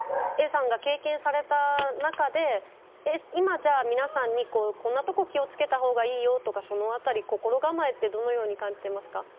Ａさんが経験された中で今じゃあ皆さんにこんなとこ気を付けた方がいいよとかその辺り心構えってどのように感じてますか？